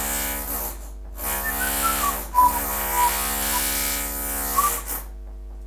本站舍的面向的南面曾经设有西日本铁道的折尾停留场。